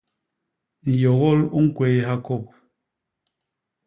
Nyôgôl u ñkwéyha kôp.